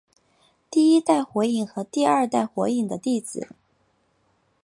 第一代火影和第二代火影的弟子。